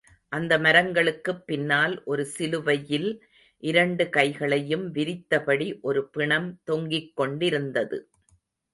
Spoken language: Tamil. அந்த மரங்களுக்குப் பின்னால் ஒரு சிலுவையில், இரண்டு கைகளையும் விரித்தபடி ஒரு பிணம் தொங்கிக் கொண்டிருந்தது.